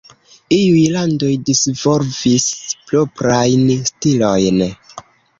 Iuj landoj disvolvis proprajn stilojn.